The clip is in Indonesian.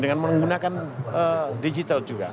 dengan menggunakan digital juga